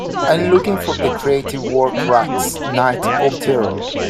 I am looking for the creative work Rats: Night of Terror